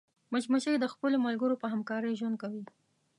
مچمچۍ د خپلو ملګرو په همکارۍ ژوند کوي